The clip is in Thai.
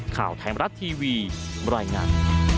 ข่าวไทยมรัฐทีวีบรรยายงาน